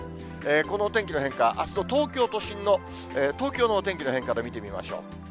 このお天気の変化、あすの東京都心の、東京のお天気の変化で見てみましょう。